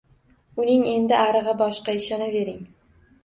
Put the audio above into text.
Uning endi arig‘i boshqa, ishonaver.